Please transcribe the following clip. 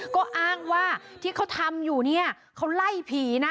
ก็อ้างว่าที่เขาทำอยู่เนี่ยเขาไล่ผีนะ